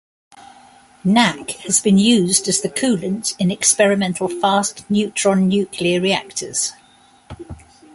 NaK has been used as the coolant in experimental fast neutron nuclear reactors.